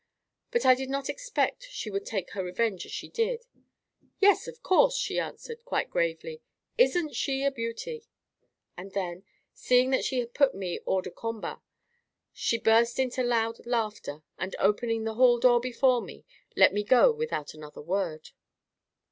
But I did not expect she would take her revenge as she did. "Yes, of course," she answered, quite gravely. "Isn't she a beauty?" And then, seeing that she had put me hors de combat, she burst into loud laughter, and, opening the hall door for me, let me go without another word.